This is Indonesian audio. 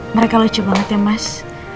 mereka lucu banget ya mas